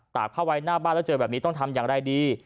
กผ้าไว้หน้าบ้านแล้วเจอแบบนี้ต้องทำอย่างไรดี